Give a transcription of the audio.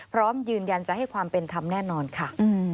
พร้อมยืนยันจะให้ความเป็นธรรมแน่นอนค่ะ